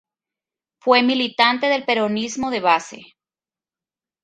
Fue militante del Peronismo de Base.